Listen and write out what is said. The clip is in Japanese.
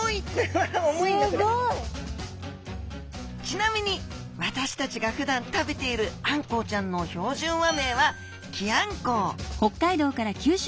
ちなみに私たちがふだん食べているあんこうちゃんの標準和名はキアンコウ。